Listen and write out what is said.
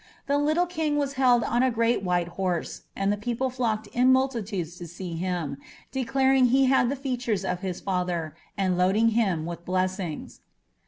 The little king was held on a great white horse, and the people flocked in multitudes to see him, declaring lie had the features of his father, and loading him with blessings.